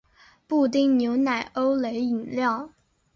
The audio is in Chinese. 布丁牛奶欧蕾饮料